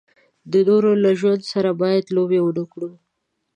د نورو له ژوند سره باید لوبې و نه کړو.